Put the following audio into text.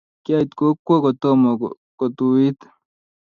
kiait kokwo kotomo kotuit.